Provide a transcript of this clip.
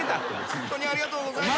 ホントにありがとうございます。